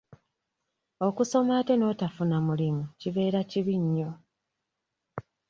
Okusoma ate n'otafuna mulimu kibeera kibi nnyo.